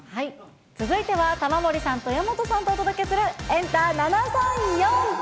続いては玉森さんと矢本さんとお届けする、エンタ７３４。